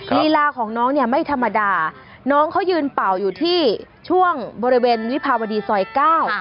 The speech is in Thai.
ลีลาของน้องเนี่ยไม่ธรรมดาน้องเขายืนเป่าอยู่ที่ช่วงบริเวณวิภาวดีซอยเก้า